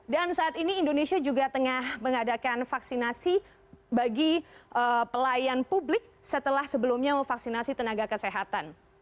saat ini indonesia juga tengah mengadakan vaksinasi bagi pelayan publik setelah sebelumnya memvaksinasi tenaga kesehatan